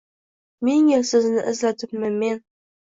Ming yil sizni izladimmi men?